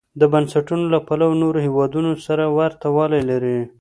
د بنسټونو له پلوه نورو هېوادونو سره ورته والی لري.